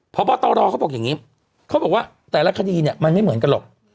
เพราะว่าต่อลองเขาบอกอย่างนี้เขาบอกว่าแต่ละคดีมันไม่เหมือนกันหรอก